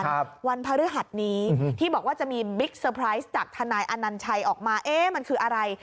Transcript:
วันพฤหัสนี้อืมที่บอกว่าจะมีบิ๊กเซอร์ไพรส์จากทนายอนัญชัยออกมาเอ๊ะมันคืออะไร